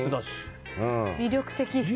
魅力的。